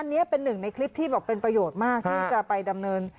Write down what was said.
อันนี้เป็นหนึ่งในคลิปที่บอกเป็นประโยชน์มากที่จะไปดำเนิน